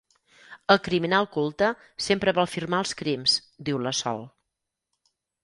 El criminal culte sempre vol firmar els crims —diu la Sol.